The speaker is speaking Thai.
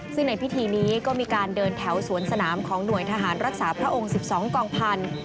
ซึ่งในพิธีนี้ก็มีการเดินแถวสวนสนามของหน่วยทหารรักษาพระองค์๑๒กองพันธุ์